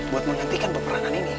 buat menghentikan peperangan ini